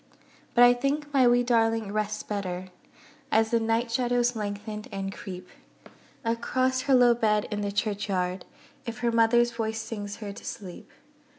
But I think my wee darling rests better As the night shadows lengthen, and creep Across her low bed, in the churchyard, If her mother's voice sings her to sleep.